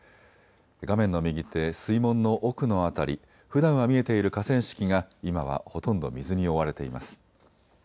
画面の右手、水門の奥の辺り、ふだんは見えている河川敷が今はほとんど水に覆われています。